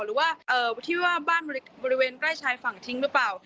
หรือว่าที่ว่าบ้านบริเวณใกล้ชายฝั่งทิ้งหรือเปล่า